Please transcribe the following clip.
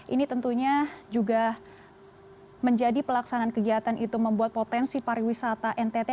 ini tentunya juga menjadi pelaksanaan kegiatan itu membuat potensi pariwisata ntt